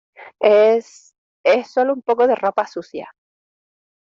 es... es solo un poco de ropa sucia .